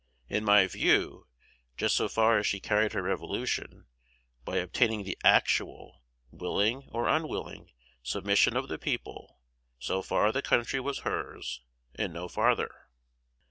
In my view, just so far as she carried her revolution, by obtaining the actual, willing or unwilling, submission of the people, so far the country was hers, and no farther.